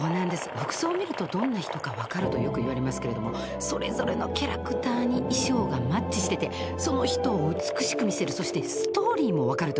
服装を見るとどんな人か分かるとよくいわれますけれどもそれぞれのキャラクターに衣装がマッチしててその人を美しく見せるそしてストーリーも分かるという。